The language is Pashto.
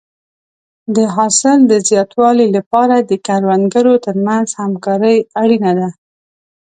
د حاصل د زیاتوالي لپاره د کروندګرو ترمنځ همکاري اړینه ده.